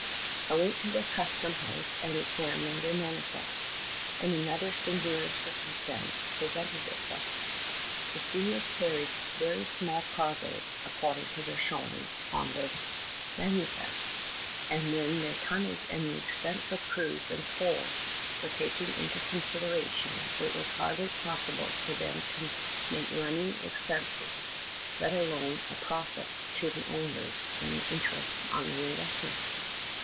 "I went to the custom house and examined their manifests, and another singular circumstance presented itself The steamers carried very small cargoes, according to the showing of their mani A CHEMICAL DETECTIVE. 307 fests, and when their tonnage and the expense of crews and coal were taken into consideration, it was hardly possible for them to make running ex penses, let alone a profit to the owners and an interest on the investment.